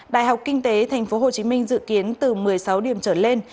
đại học kinh tế tp hcm dự kiến từ một mươi sáu điểm trở lên